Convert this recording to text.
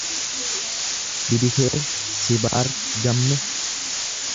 Bidikee Sibaar Gamme